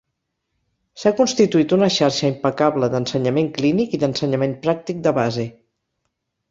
S'ha constituït una xarxa impecable d'ensenyament clínic i d'ensenyament pràctic de base.